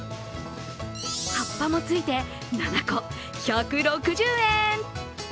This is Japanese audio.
葉っぱもついて、７個１６０円。